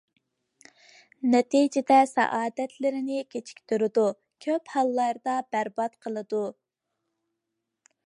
نەتىجىدە, سائادەتلىرىنى كېچىكتۈرىدۇ, كۆپ ھاللاردا بەربات قىلىدۇ.